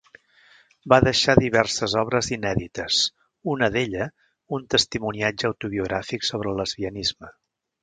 Va deixar diverses obres inèdites, una d'ella un testimoniatge autobiogràfic sobre el lesbianisme.